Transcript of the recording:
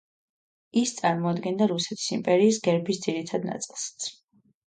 ის წარმოადგენდა რუსეთის იმპერიის გერბის ძირითად ნაწილსაც.